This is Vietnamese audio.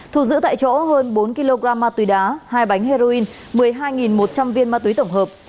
thu giữ tại chỗ hơn bốn kg ma túy đá hai bánh heroin một mươi hai một trăm linh viên ma túy tổng hợp